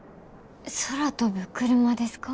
空飛ぶクルマですか？